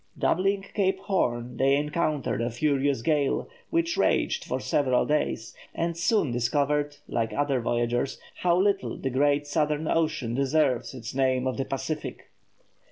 Doubling Cape Horn they encountered a furious gale, which raged for several days; and soon discovered, like other voyagers, how little the great southern ocean deserves its name of the Pacific.